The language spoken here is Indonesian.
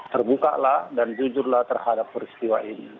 terbukalah dan jujurlah terhadap peristiwa ini